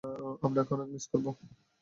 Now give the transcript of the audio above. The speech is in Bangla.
আপনাকে অনেক মিস করব।